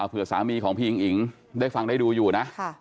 เผื่อสามีของพี่หญิงได้ฟังได้ดูอยู่นะ